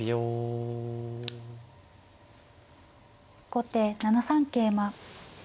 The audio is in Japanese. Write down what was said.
後手７三桂馬。